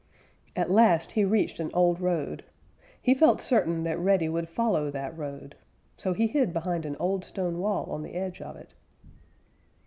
At last he reached an old road. He felt certain that Reddy would follow that road. So he hid behind an old stone wall on the edge of it.